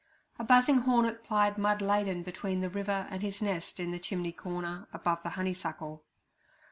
A buzzing hornet plied mud laden between the river and his nest in the chimney corner, above the honeysuckle.